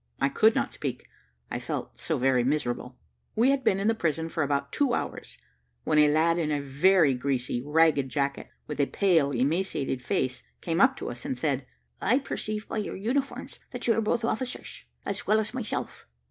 I could not speak I felt so very miserable. We had been in the prison about two hours, when a lad in a very greasy, ragged jacket, with a pale emaciated face, came up to us, and said, "I perceive by your uniforms that you are both officers, as well as myself."